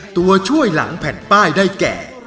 ตัวช่วยหลังแผ่นป้ายได้แก่